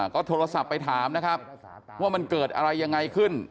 ก็โทรศัพท์ไปถามนะครับว่ามันเกิดอะไรยังไงขึ้น